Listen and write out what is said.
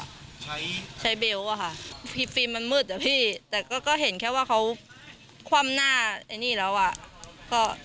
ได้ใช้เบลวฟิลมมันมืดแต่ก็เห็นแค่ว่าเขาคว่ำหน้า